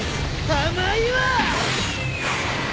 甘いわ！